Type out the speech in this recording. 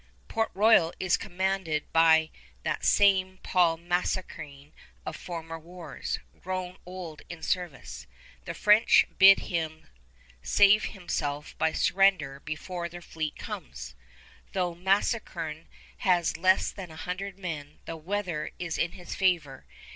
Port Royal is commanded by that same Paul Mascarene of former wars, grown old in service. The French bid him save himself by surrender before their fleet comes. Though Mascarene has less than a hundred men, the weather is in his favor.